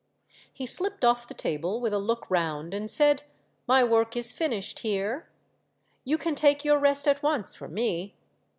He slipped off the table with a look round, and said .*' My work is finished, Heer. You can take your rest at once for me."